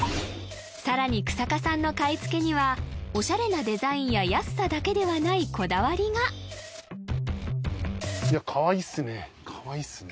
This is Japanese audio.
さらに日下さんの買い付けにはオシャレなデザインや安さだけではないこだわりがかわいいっすね